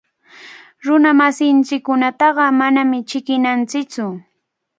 Runamasinchikkunataqa manami chiqninanchiktsu.